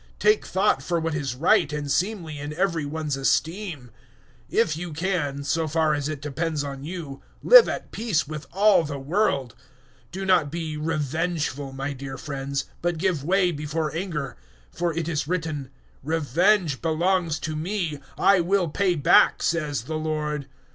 Take thought for what is right and seemly in every one's esteem. 012:018 If you can, so far as it depends on you, live at peace with all the world. 012:019 Do not be revengeful, my dear friends, but give way before anger; for it is written, "`Revenge belongs to Me: I will pay back,' says the Lord."